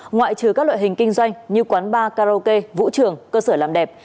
ngoại trừ các loại hình kinh doanh như quán bar karaoke vũ trường cơ sở làm đẹp